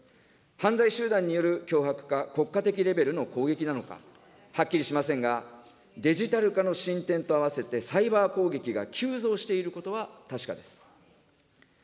犯罪集団による脅迫か国家的レベルの攻撃なのか、はっきりしませんが、デジタル化の進展と併せてサイバー攻撃が急増していることは確かです。